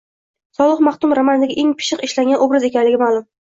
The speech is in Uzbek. Solih maxdum romandagi eng pishiq ishlangan obraz ekanligi ma’lum.